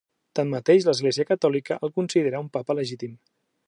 Tanmateix, l'Església Catòlica el considera un papa legítim.